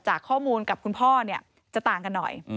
ข้อมูลกับคุณพ่อเนี่ยจะต่างกันหน่อย